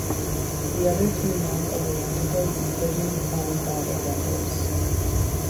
The other two non-orientable Euclidean Klein bottle bundles.